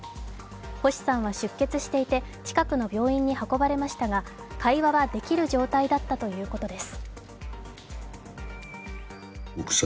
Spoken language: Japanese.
星さんは出血していて近くの病院に運ばれましたが会話はできる状態だったということです。